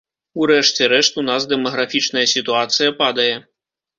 У рэшце рэшт, у нас дэмаграфічная сітуацыя падае.